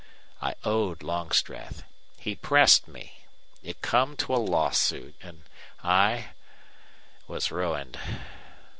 I owed Longstreth. He pressed me. It come to a lawsuit an' I was ruined."